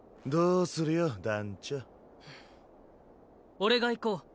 俺が行こう。